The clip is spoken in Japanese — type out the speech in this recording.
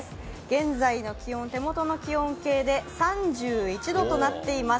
現在気温、手元の気温計で３１度となっています。